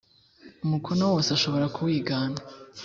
umukono wose ashobora kuwigana